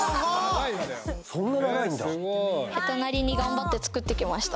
そんな長いんだ下手なりに頑張って作ってきました